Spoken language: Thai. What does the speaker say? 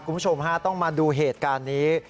คุณผู้ชมฮะต้องมาดูเหตุการณ์นี้